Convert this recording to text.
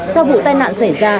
sau vụ tai nạn xảy ra